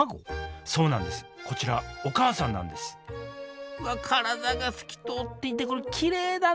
そうなんですこちらお母さんなんですうわっ体が透き通っていてこれきれいだね！